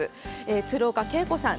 鶴岡馨子さん